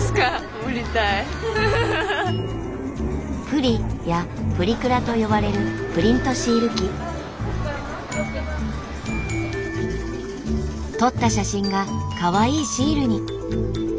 「プリ」や「プリクラ」と呼ばれる撮った写真がかわいいシールに。